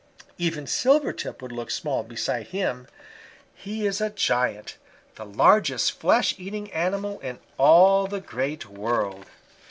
Even Silvertip would look small beside him. He is a giant, the largest flesh eating animal in all the great world.